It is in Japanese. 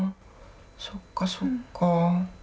そっかそっか。